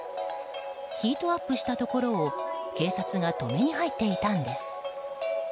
ヒートアップしたところを警察が止めに入っていたんです。